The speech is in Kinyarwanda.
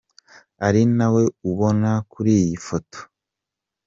Ari nawe ubona kuri iyi foto.